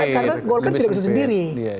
karena golkar tidak bisa sendiri